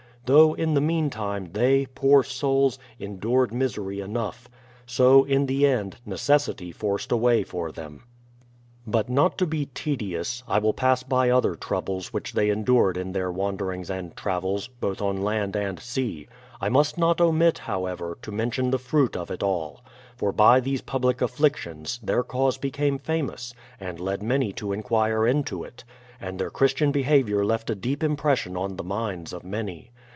Though in the meantime, they, poor souls, endured misery enough. So in the end, necessity forced a way for them. But not to be tedious, I will pass by other troubles which they endured in their wanderings and travels, both on land THE PIA^IOUTH SETTLEMENT 13 «nd sea. I must not omit, however, to mention the fruit of it all. For by these pubhc afflictions, their cause became famous, and led many to inquire into it ; and their Christian behaviour left a deep impression on the minds of many.